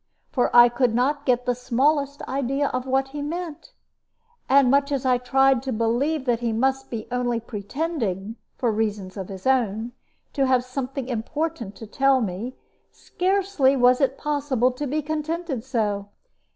For I could not get the smallest idea what he meant; and, much as I tried to believe that he must be only pretending, for reasons of his own, to have something important to tell me, scarcely was it possible to be contented so.